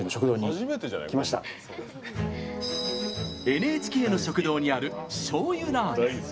ＮＨＫの食堂にあるしょうゆラーメン。